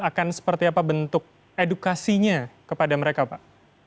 akan seperti apa bentuk edukasinya kepada mereka pak